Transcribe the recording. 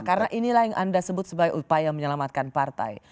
karena inilah yang anda sebut sebagai upaya menyelamatkan partai